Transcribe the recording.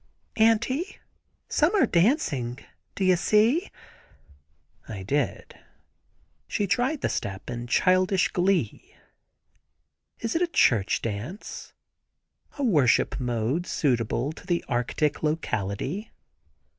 "Auntie, some are dancing; do you see?" I did. She tried the step in childish glee. Is it a church dance? A worship mode suitable to the Arctic locality.